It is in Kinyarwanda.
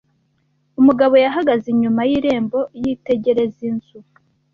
Umugabo yahagaze inyuma y irembo yitegereza inzu.